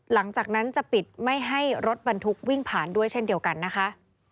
หลังจากนั้นจะปิดไม่ให้รถบรรทุกวิ่งผ่านด้วยเช่นเดียวกันนะคะ